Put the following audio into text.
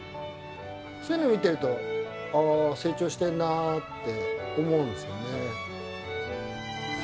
そういうのを見てると、ああ、成長してるなって思うんですよね。